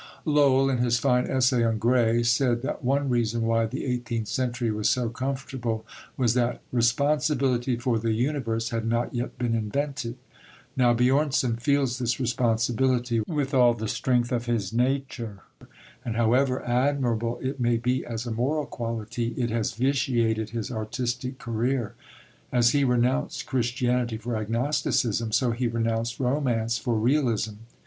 Lowell, in his fine essay on Gray, said that one reason why the eighteenth century was so comfortable was that "responsibility for the universe had not yet been invented." Now Björnson feels this responsibility with all the strength of his nature, and however admirable it may be as a moral quality, it has vitiated his artistic career. As he renounced Christianity for agnosticism, so he renounced romance for realism.